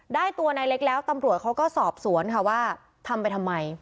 ได้ตัวนายเล็กแล้วตำรวจเขาก็สอบสวนค่ะว่าทำไปทำไม